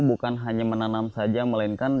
bukan hanya menanam saja melainkan